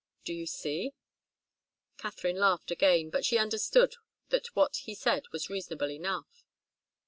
Do you see?" Katharine laughed again, but she understood that what he said was reasonable enough.